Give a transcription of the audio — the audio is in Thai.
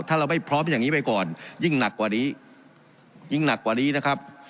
ถ้าเราไม่พร้อมอย่างนี้ไปก่อนยิ่งหนักกว่านี้ยิ่งหนักกว่านี้นะครับ